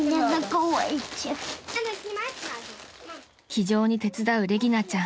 ［気丈に手伝うレギナちゃん。